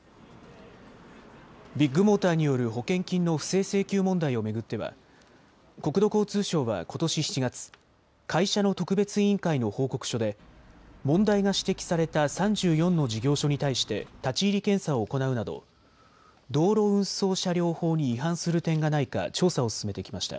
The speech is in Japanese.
ビッグモーターによる保険金の不正請求問題を巡っては国土交通省はことし７月、会社の特別委員会の報告書で問題が指摘された３４の事業所に対して立ち入り検査を行うなど道路運送車両法に違反する点がないか調査を進めてきました。